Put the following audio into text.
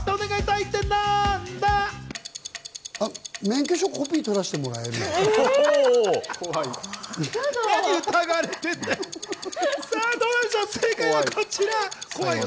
免許証コピー取らせてもらえ怖い！